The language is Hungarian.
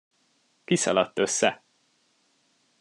Ki szaladt össze?